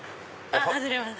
外れます。